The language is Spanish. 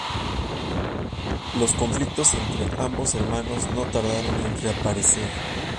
Los conflictos entre ambos hermanos no tardaron en reaparecer.